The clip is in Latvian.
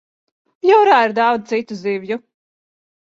Jūrā ir daudz citu zivju.